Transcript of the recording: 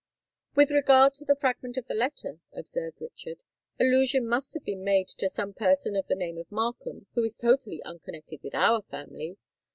"With regard to the fragment of the letter," observed Richard, "allusion must have been made to some person of the name of Markham who is totally unconnected with our family.